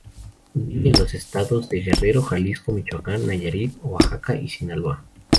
Vive en los Estados de Guerrero, Jalisco, Michoacán, Nayarit, Oaxaca y Sinaloa.